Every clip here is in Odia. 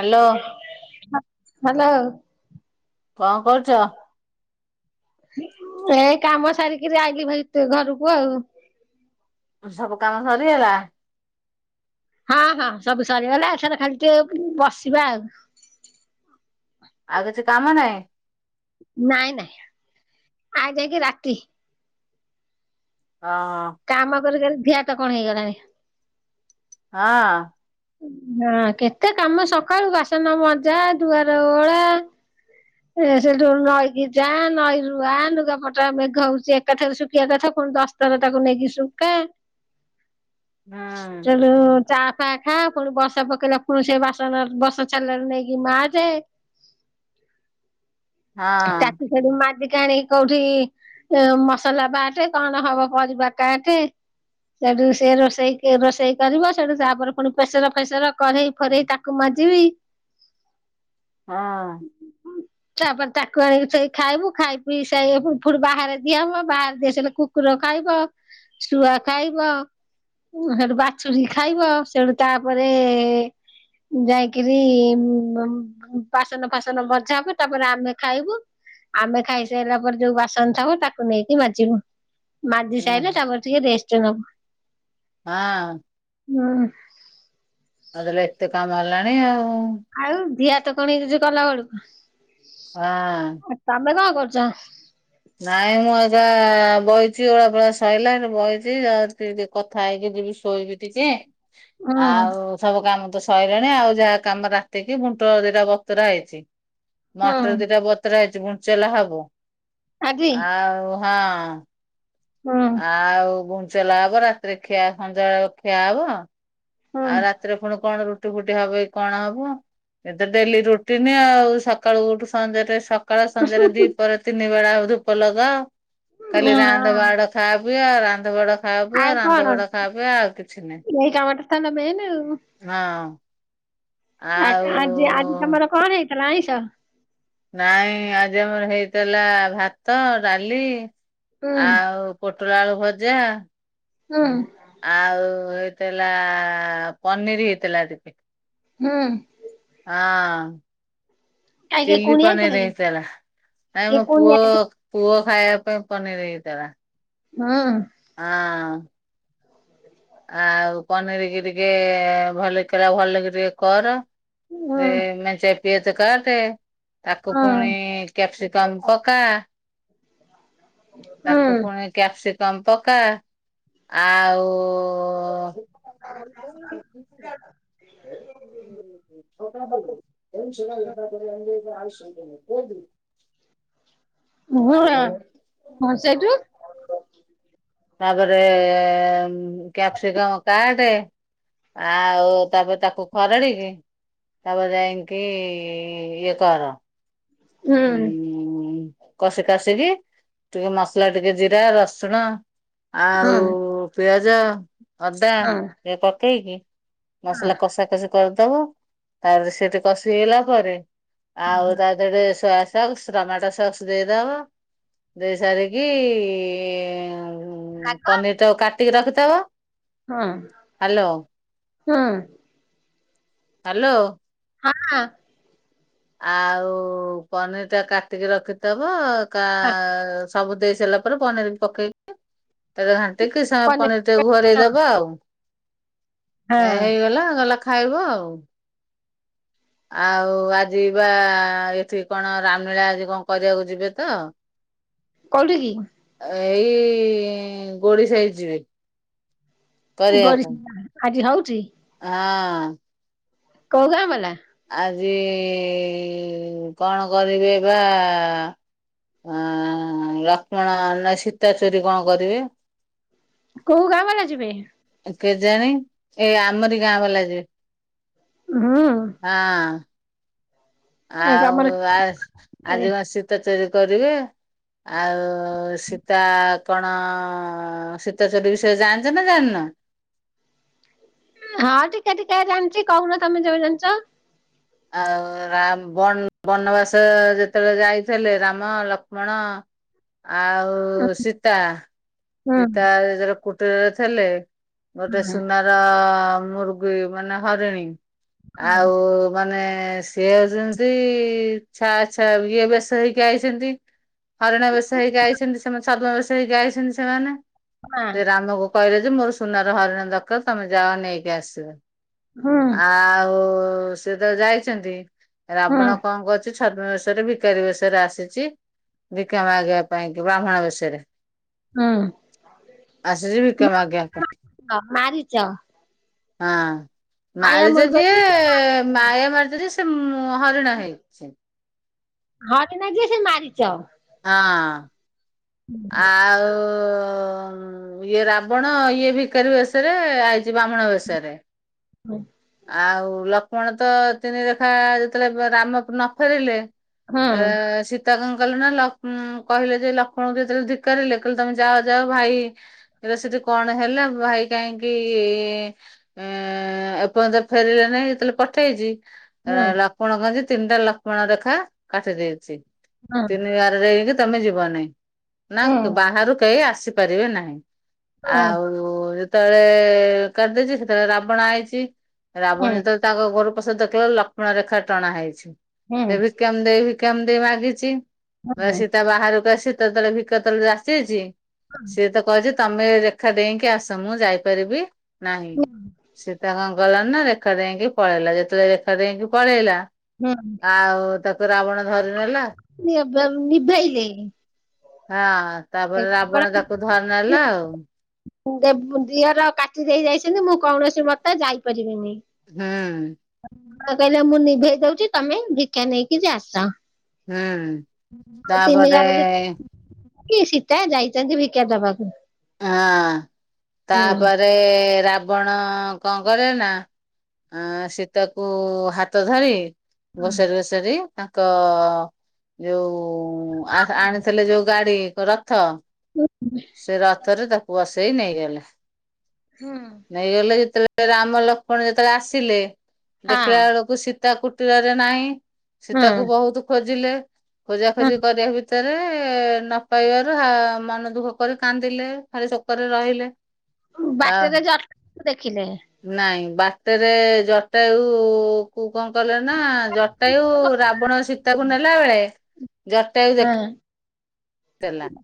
ହାଲୋ। ହାଲୋ। କଣ କରୁଚ? ଏଇ କାମ ସାରିକିରି ଆଇଲି ଭାରି ତ ଘରକୁ ଆଉ। ସବୁ କାମ ସରିଗଲା? ହଁ ହଁ, ସବୁ ସରିଗଲା ଏଥର ଖାଲି ଟିକେ ବସିବା ଆଉ। ଆଉ କିଛି କାମ ନାଇଁ? ନାଇଁ ନାଇଁ ଆଉ ଯାଇକି ରାତି। ହଁ। କାମ କରି କରି ଧି ହାତ କଣ ହେଇଗଲାଣି। ହଁ। ନାଁ, କେତେ କାମ ସକାଳୁ ବାସନ ମଜା ଦୁଆର ଓଳା ଏ ସେଠୁ ନଈକି ଯା ନଈରୁ ଆ ଲୁଗା ପଟା ମେଘ ହଉଛି, ଏକାଥରେ ସୁକେଇବା କଥା ପୁଣି ଦଶ ତାପରେ ତାକୁ ନେଇକି ସୁକା। ହୁଁ ଚାଲୋ ଚା ଫା ଖାଆ ପୁଣି ବର୍ଷା ପକେଇଲା ପୁଣି ସେ ବାସନ ବର୍ଷା ଛାଡ଼ିଲାଠୁ ନେଇକି ମାଜେ। ହଁ ତାକୁ ସେଇଠୁ ମାଗିକି ଆଣିକି କୋଉଠି ମସଲା ବାଟେ କଣ ହବ ପରିବା କାଟେ ସେଠୁ ସେ ରୋଷେଇ କି ରୋଷେଇ କରିବ। ସେଠୁ ତାପରେ ପୁଣି ପ୍ରେସର ଫେସର କରେଇ ଫରେଇ ତାକୁ ମାଜିବି ହଁ। ତାପରେ ତାକୁ ଆଣିକି ସେଇ ଖାଇବୁ, ଖାଇ ପିଇ [unintelligible] ଉପରୁ ବାହାରେ ଠିଆ ହୁଅ। ବାହାରେ ଠିଆ ହେଇ ସା ଇଲେ କୁ କୁକୁର ଖାଇବ ଶୁଆ ଖାଇବ ସେଇଠୁ ବାଛୁରୀ ଖାଇବ ତେଣୁ ତାପରେ ଯାଇକିରି ବାସନ୍ ଫାସନ୍ ବଜା ହବ ତାପରେ ଆମେ ଖାଇବୁ ଆମେ ଖାଇସାରିଲା ପରେ ଯୋଉ ବାସନ ଥାବ ତାକୁ ନେଇକି ମାଜିବୁ ମାଜି ଉଁ ସାଇିଲେ ତାପରେ ଟିକେ ରେଷ୍ଟ ନବୁ। ହଁ। ହୁଁ। ଆଉ ତାହାଲେ ଏତେ କାମ୍ ହେଲାଣି ଆଉ। ଆଉ ଦିଆ ତ କଣ [unintelligible] କଲା ବେଳୁକୁ। ହଁ। ତମେ କଣ କରୁଚ? ନାଇଁ ମୁଁ ଅଇଁଚା ବଇଚି ଓଳା ପଳା ସଇଲାଣି ବଇଚି କଥା ହେଇକି ଯିବି ଶୋଇବି ଟିକେ, ହୁଁ ଆଉ ସବୁ କାମ ତ ସଇଲାଣି ଆଉ ଯାହା କାମ ରାତିକି ବୁଣ୍ଟ ଦିରା ବତୁରା ହେଇଚି ହୁଁ ମଟର ଦିଟା ବତୁରା ହେଇଚି [unintelligible] ହବ ଆଜି ଆଉ ହଁ। [unintelligible] ଆଉ ଗୁଞ୍ଚେଲା ହବ ରାତିରେ ଖିଆ ସନ୍ଧ୍ୟା ବେଳ ଖିଆ ହବ। ହୁଁ ଆଉ ରାତିରେ ପୁଣି କଣ ରୁଟି ଫୁଟି ହବ କି କଣ ହବ। ଏତ ଡେଲି ରୁଟିନି ଆଉ ସକାଳୁ ଉଠୁ ସଞ୍ଜରେ ସକାଳ ସନ୍ଧ୍ୟାରେ ଦି ପରେ ତିନି ବେଳା ହ ଧୂପ ଲଗ ହଁ ଖାଲି ରାନ୍ଧ ବାଡ ଖା ପିଆ ରାନ୍ଧ ବାଡ ଖା ପିଆ ରାନ୍ଧ ବାଡ ଖା ପିଆ ଆଉ କିଛି ନାହିଁ। ନାଇଁ କାମ ତା ନ ମେନ୍। ହଁ। ଆଉ ଆଜି-ଆଜି ତମର କଣ ହେଇଥିଲା ଆଇଁଷ? ନାଇଁ ଆଜି ଆମର ହେଇଥିଲା ଭାତ, ଡାଲି ହୁଁ ଆଉ ପୋଟଲା ଆଳୁ ଭଜା ହୁଁ। ଆଉ ହେଇଥିଲା ପନିରି ହେଇଥିଲା ଟିକେ। ହୁଁ। ହଁ। କାଇଁ କିଏ ଚିଲି କୁଣିଆ ଆଇଥିଲେ ପନିରି କି? ହେଇଥେଲା ନାଇଁ କିଏ ମୋ ପୁଅ କୁଣିଆ ଆଇଥିଲେ? ପୁଅ ଖାଇବା ପାଇଁ ପନିରି ହେଇଥେଲା। ହଁ। ହଁ। ଆଉ ପନିରି କି ଟିକେ [unintelligible] ଭଲ କି ଟିକେ କର ହୁଁ [unintelligible] କାଟେ ତାକୁ ପୁଣି କ୍ୟାପସ [unintelligible] ତାକୁ ହୁଁ ପୁଣି କ୍ୟାପ୍ସିକ ମ୍ପକା ଆଉ [inaudible] ଛୋଟା ବଲି ଏ ସେଟା ଓଡଦାକରି ଅଣିକୀ ଆଉ ଶୁଭୁନି କୁହନ୍ତୁ? ମୁ ହ ହଁ ସେଇଠୁ? ତାପରେ କ୍ୟାପ୍ସିକମ କାଡେ ଆଉ ତାପରେ ତାକୁ ଖରଡିକି ତାପରେ ଯାଇକି ଇଏ କର ହୁଁ ହୁଁ। କଷି କାଷିକି ଟିକେ ମସଲା ଟିକେ ଜିରା ରସୁଣ ଆଉ ହୁଁ ପିଆଜ ଅଦା ହଁ ଏରା ପକେଇକି ହଁ ମସଲା କଷା କଷି କରିଦବ ତାପରେ ସେଠି କସି ହେଲା ପରେ ଆଉ ତାଦେହରେ ସୋୟା ସକ୍ସ ଟମାଟୋ ସକ୍ସ ଦେଇଦବ। ଦେଇ ସାରିକି ଶାଗ ପନିର ତ କାଟିକି ରଖିଥବ? ହଁ ହ୍ୟାଲୋ ହୁଁ। ହାଲୋ! ହଁ। ଆଉ ପନିର୍ ଟା କାଟିକି ରଖିଥିବ କା ସବୁ ଦେଇ ସାରିଲା ପରେ ପନିରିକି ପକେଇକି ତାପରେ ଘାଣ୍ଟକି କିଛି ସମୟ ପନିର ପନିର୍ ଟିକିଏ ଘୋରେଇ ହଁ ଦବ ଆଉ। ଏ ହଁ ହେଇଗଲା ଗଲା ଖାଇବ ଆଉ। ଆଉ ଆଜି ବା ଏଠି କଣ ରାମନୀଳା ଆଜି କଣ କରିବାକୁ ଯିବେ ତ? କଉଠିକି? ଏଇ-ଇଁ ଗୋଡି ସାହି ଯିବେ। କରିଆକୁ ଗରିଶା ଆଜି ହଉଛି ହଁ। କୋଉ ଗାଁ ଵାଲା? ଆଜି-ଇ-ଇଁ କଣ କରିବି ବା-ଆ ଅଁ ଲକ୍ଷ୍ମଣ ନା ସୀତା ଚୋରି କଣ କରିବେ? କୋଉ ଗାଁ ବାଲା ଯିବେ? କେଜାଣି ଏଇ ଆମରି ଗାଁ ବାଲା ଯିବେ। ହୁଁ। ହାଁ। ଆଉ ଆସ୍ ଆଜି କଣ ସୀତା ଚୋରି କରିବେ? ଆଉ-ଉ ସୀତା କଣ ଅ-ଅ ସୀତା ଚୋରି ବିଷୟରେ ଜାଣିଛ ନା ଜାଣିନ? ହଁ ଟିକେ ଟିକେ ଜାଣିଛି କହୁନ ତମେ ଯେବେ ଜାଣିଛ? ଆଉ ରାମ୍ ବନ୍ ବନବାସ ଯେତେବେଳେ ଯାଇଥିଲେ, ରାମ, ଲକ୍ଷ୍ମଣ ଆଉ ଆଉ ସୀତା ହୁଁ ସୀତା ଜେତବେଳେ କୁଟୀରରେ ଥିଲେ ଗୋଟେ ହୁଁ ସୁନାର ଅ-ଅ ମୁର୍ଗୀ ମାନେ ହରିଣୀ ଆଉ ମାନେ ସିଏ ଯେମିତି ଛା, ଛା, ଇଏ ବେଶ ହେଇକି ଆଇଚନ୍ତି। ହରିଣ ବେଶ ହେଇକି ଆଇଚନ୍ତି ସେମାନେ ସଦ୍ମ ବେଶ ହେଇକି ଆଇଚନ୍ତି ମା ସେମାନେ ରାମକୁ କହିଲେ ଯେ ମୋର ସୁନାର ହରିଣ ଦରକାର ତମେ ଯାଅ ନେଇକି ଆସିବ। ହୁଁ ଆଉ ଉ ସେଏ ଜେତବେଳେ ଯାଇଚନ୍ତି। ହୁଁ ରାବଣ କଣ କରଚି ଛୁ ଛଦ୍ମ ବେଶରେ ଭିକାରୀ ବେଶରେ ଆସିଛି ଭିକ୍ଷା ମାଗିବା ପାଇଁ କି ବ୍ରାହ୍ମଣ ବେଶରେ ହୁଁ ଆସିଛି ଭିକ୍ଷା ମାଗିବା ପାଇଁ। ହଁ ମାରିଚ? ହଁ, ଆୟା ମାରିଚ ମୃଗ ଯିଏ, ମାୟା ମାରିଚ ଯିଏ ସେ ମୁଁ ହରିଣ ହଏ ସେ ହରିଣ ଯିଏ ସେ ମାରିଚ। ହଁ, ଆଉ ହୁଁ ଇଏ ରାବଣ, ଇଏ ଭିକାରୀ ବେଶରେ ଆଇଛି ବ୍ରାହ୍ମଣ ବେଶରେ ହୁ। ଆଉ, ଲକ୍ଷ୍ମଣ ତ ତିନିରେଖା ଯେତେବେଳେ, ରାମ ନ ଫେରିଲେ ହୁଁ ଏ-ଏଁ ସୀତ୍ ତା, କଣ କଲୁ ନା ଯେ ଲକ୍ଷ୍ମଣଙ୍କୁ କହିଲେ ଯେ ଲକ୍ଷ୍ମଣ ଯେତେଳେ ଧିକ୍କାରିଲେ କହିଲେ ତମେ ଯାଅ ଯାଅ ଭାଇ ହେଲେ ସେଠି କଣ ହେଲା? ଭାଇ କାହିଁକି-ଇ ଅ-ଅ-ଅ ପତ ଫେରିଲେ ନାହିଁ, ଯେତେବେଳେ ପଠେଇଛି। ହୁଁ ଲକ ପ କଣ କରିଛି ତିନିଟା ଲକ୍ଷ୍ମଣ ରେଖା କାଟି ଦେଇଛି। ହୁଁ ତିନିି ବା [unintelligible] ତମେ ଯିବନେଇ ନା ହୁଁ ହୁଁ ବାହାରୁ କେହି ଆସିପାରିବେ ନାହିଁ? ଆଉ, ଯେତେବେଳେ କରିଦେଇଛି ସେତେବେଳେ ରାବଣ ଆଇଛି। ରାବଣ ହୁଁ ଯେତେବେଳେ ତାଙ୍କୁ ଗୋରୁ ପ୍ରସାଦ ଦେଖିଲ ଲକ୍ଷ୍ମଣ ରେଖା ଟଣା ହେଇଛି। ହୁଁ ଏ ଭି କାମ ଦେହି ଭିକାମ ଦେହି ମାଗିଚି? ବା ହୁଁ ସୀତା ବାହାରକୁ ଆସି ତ ତଳେ ଭିକ ତଳେ ଯାଚିଛି ସିଏ ତ କହିଛି ତମେ ରେଖା ଡେଇକି ଆସ ମୁଁ ଯାଇପାରିବି ନାହିଁ ସିଏ ତାର ସୀତା କନା କଲାନା ରେଖା ଡେଇକି ପଳେଇଲା ଯେତେବେଳେ ରେଖା ଡେଇକି ପଳେଇଲା ଆଉ ତାକୁ ରାବଣ ଧରି ନେଲା। ନିଭେ ନିଭେଇଲେ ହଁ ତାପରେ ରାବଣ ତାକୁ ଧର ନେଲା ଆଉ। ଦିଅର କାଟି ଦେଇ ଯାଇଛନ୍ତି ମୁଁ କୌଣସି ମତେ ଯାଇପାରିବିନି। ହୁଁ। କହିଲେ ମୁଁ ନିଭେଇ ଦଉଛି ତମେ ଭିକ୍ଷା ନେଇକି ଯେ ଆସ। ହୁଁ ତାପରେ ତିନିଗାରରେ କି ସୀତା ଯାଇଛନ୍ତି ଭିକ୍ଷା ଦବାକୁ ହଁ ହୁଁ। ତାପରେ ରାବଣ କଣ କରେ ନା ଆ ସୀତାକୁ ହାତ ଧରି ଘୋଷାରୀ ଘୋଷାରୀ ତାଙ୍କ ଯୋଉ ଆଣି ଆଣିଥିଲେ ଯୋଉ ଗାଡି ରଥ ସେ ରଥ ବସେଇ ନେଇଗଲେ। ହୁଁ। ନେଇଗଲେ ଯେତେବେଳେ ରାମ ଲକ୍ଷ୍ମଣ ଯେତେବେଳେ ଆସିଲେ ଦେଖିଲା ହଁ ବେଳକୁ ସୀ ସୀତା କୁଟୀରରେ ନାହିଁ ସୀତାକୁ ବହୁତ ଖୋଜିଲେ ଖୋଜା ହଁ ଖୋଜି କରିବା ଭିତ୍ ଭିତରେ ନ ପାଇବାରୁ ମନ ଦୁଃଖ କରି କାନ୍ଦିଲେ। ଖାଲି ଶୋକରେ ରହିଲେ। ହଁ ତା ବାଟରେ ଜଟାୟକୁ ଦେଖିଲେ। ନାଇଁ ବାଟରେ ଜଟାୟୁ କୁ କଣ କଲେ ନା ଜଟାୟୁ ରାବଣ ସୀତାକୁ ନେଲା ବେଳେ ଜଟାୟୁ ହଁ ଦେଖ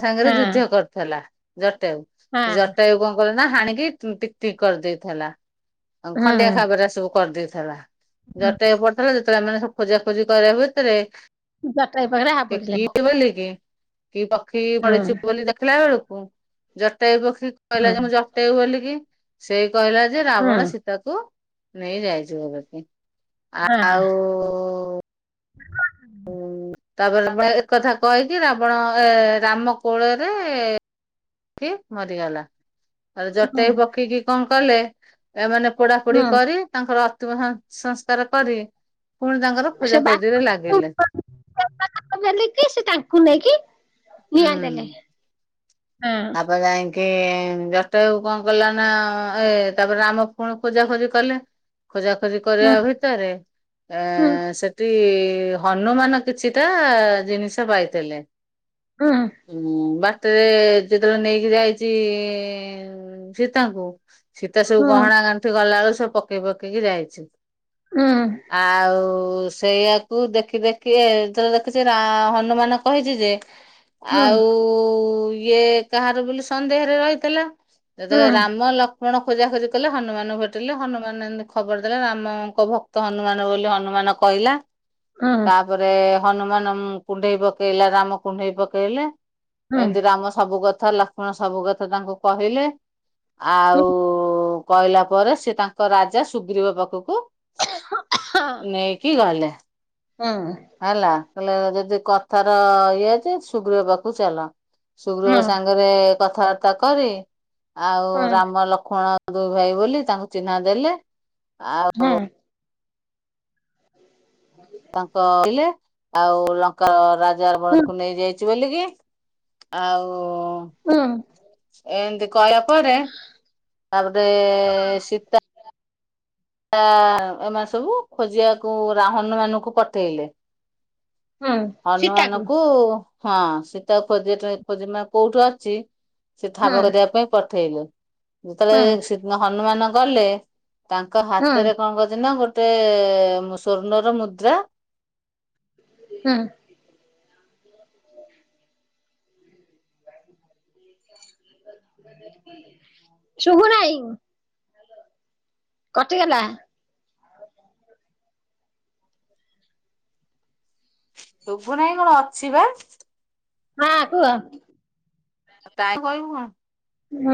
ସାଙ୍ଗରେ ହଁ ଯୁଦ୍ଧ କରିଥିଲା ଜଟାୟୁ ହଁ ଜଟାୟୁ କଣ ନା ହାଣିକି ଟିକ ଟିକ କରିଦେଇଥିଲା ଖଣ୍ଡିଆ ଖାବରା ସବୁ କରିଦେଇଥିଲା। ହଁ ଜଟାୟୁ ପଡ଼ିଥିଲା ଯେତେବେଳେ ଏମାନେ ଖୋଜାଖୋଜି କରିବା ଭିତରେ ଜଟାୟୁ ପାଖରେ ହାବୁଡ଼ିଲେ। [unintelligible] କି ପକ୍ଷୀ ହଁ ପଡିଛି ବୋଲି ଦେଖିଲା ବେଳକୁ ଜଟାୟୁ ପକ୍ଷୀ କହିଲା ହଁ ଯେ ମୁଁ ଜ ଜଟାୟୁ ବୋଲିକି ସେଇ କହିଲା ଯେ ରାବଣ ହଁ ସୀତାକୁ ନେଇ ଯାଇଛିି ବୋଲି କି ଆଉ ହୁଁ ତାପରେ ଏକଥା କହିକି ରାବଣ ଏ ରାମ କୋଳରେ ରଖି ମରିଗଲା ଆଉ ଜଟାୟୁ ହଁ। ପକ୍ଷୀକି କଣ କଲେ ଏମାନେ ପୋଡାପୋଡି ହୁଁ କରି ତାଙ୍କର ଅନ୍ତିମ ସଂସ୍କାର କରି ପୁଣି ତାଙ୍କର ସେ ବାଟ ଖୋଜାଖୋଜିରେ ଲାଗିଲେ। [unintelligible] ସେ ତାଙ୍କୁ ନେଇକି ନିଆଁ ଦେଲେ। ହଁ [unintelligible] କି ଜଟାୟୁ କଣ କଲା ନା ଏ ତାପରେ ରାମ ପୁଣି ଖୋଜା ଖୋଜି କଲେ। ଖୋଜା ଖୋଜି ହୁଁ କରିବା ଭିତରେ ଏ ହୁଁ ସେ ହନୁମାନ କିଛିଟା ଜିନିଷ ପାଇଥିଲେ। ହୁଁ ହୁଁ ବାଟରେ ଯେତେବେଳେ ନେଇକି ଯାଇଛି ସୀତାଙ୍କୁ ସୀତା ସବୁ ହୁଁ ଗହଣା ଗା ସେଠୁ ଗଲା ବେଳକୁ ସବୁ ପକେଇ ପକେଇକି ଯାଇଛି। ହୁଁ। ଆଉ ସେଇଆକୁ ଦେଖି ଦେଖି ଯେତେବେଳେ ଦେଖିଛି ହନୁମାନ କହିଛି ଯେ [inaudible] ହୁଁ ଆଉ ଇଏ କାହାର ବୋଲି ସନ୍ଦେହରେ ରହିଥିଲା ଯେତେବେଳେ ହୁଁ ରାମ ଲକ୍ ପୁଣ ଖୋଜାଖୋଜି କଲେ ହନୁମାନଙ୍କୁ ଭେଟିଲେ ହନୁମାନ ଖବର ଦେଲେ ରାମଙ୍କ ଭକ୍ତ ହନୁମାନ ବୋଲି ହନୁମାନ କହିଲା ତାପରେ ହନୁମାନ କୁଣ୍ଢେଇ ପକେଇଲେ ରାମ କୁଣ୍ଢେଇ ପକେଇଲେ। ହୁଁ ଏମିତି ରାମ ସବୁ କଥା ଲକ୍ଷ୍ମଣ ସବୁ କଥା ତାଙ୍କୁ କହିଲେ। ହୁଁ ଆଉ, କହିଲା ପରେ ସେ ତାଙ୍କ ରାଜା ସୁଗ୍ରୀବା ପାଖକୁ ନଇକି ଗଲେ। ହୁଁ। ହେଲା, କହିଲଲେ ଯଦି କଥାର ଇଏ ଅଛି ସୁଗ୍ରୀବ ପାଖକୁ ଚାଲ। ସୁଗ୍ରୀବ ସାଙ୍ଗ ରେ କଥାବାର୍ତ୍ତା କରି, ଆଉ ରାମ ଲକ୍ଷ୍ମଣ ଦୁଇ ଭାଇ ବୋଲି ତାଙ୍କୁ ଚିହ୍ନା ଦେଲେ। ଆଉ [inaudible] ତାଙ୍କ କହିଲେ, ଆଉ ଲଙ୍କା ରାଜା ରାବଣକୁ ନେଇଯାଇଛି। ବଲିକି ଆଉ ହୁଁ। ଏମିତି କହିବା ପରେ, ତାପରେ ସୀତା ତା ଏମାନେ ସବୁ ଖୋଜିବାକୁ ରା ହନୁମାନଙ୍କୁ ପଠେଇଲେ। ହନୁମାନ ସୀତାକୁ କୁ ହଁ, ସୀତା ଖୋଜି ଖୋଜି ମାନେ କୋଉଠୁ ଅଛି। ସେ ଠାବ କରିବା ପାଇଁ ପଠେଇଲେ, ଯେତେବେଳେ ହନୁମାନ ଗଲେ ତାଙ୍କ ହାତରେ କଣ କରିଛି ନା ଗୋଟେ ସଵର୍ଣ୍ଣର ମୁଦ୍ରା ହୁଁ। [inaudible] ଶୁଭୁନାଇଁ। କଟିଗଲା। ଶୁଭୁ ନାହିଁ କଣ, ଅଛି ବା। ହଁ କୁହ। କ ହଣ। ହୁଁ।